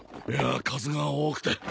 いやあ数が多くて。